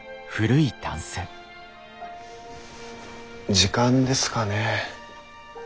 時間ですかね。